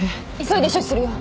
急いで処置するよ。